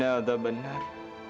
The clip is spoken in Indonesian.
dan kematian yang benar